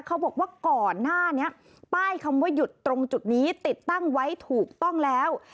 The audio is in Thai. เขาบอกว่าก่อนหน้านี้ป้ายคำว่าหยุดตรงจุดนี้ติดตั้งไว้ถูกต้องแล้ว